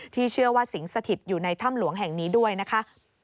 เชื่อว่าสิงสถิตอยู่ในถ้ำหลวงแห่งนี้ด้วยนะคะ